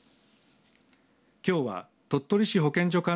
きょうは鳥取市保健所